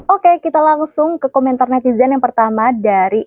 oke kita langsung ke komentar netizen yang pertama dari